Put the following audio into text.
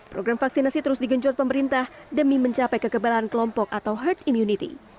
program vaksinasi terus digenjot pemerintah demi mencapai kekebalan kelompok atau herd immunity